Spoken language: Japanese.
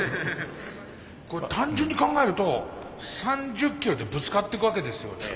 これ単純に考えると３０キロでぶつかってくわけですよね。